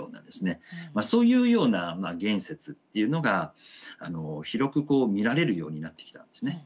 そういうような言説っていうのが広く見られるようになってきたんですね。